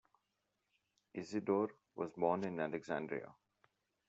Isidore was born in Alexandria.